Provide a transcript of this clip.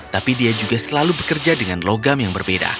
tapi dia juga selalu bekerja dengan logam yang berbeda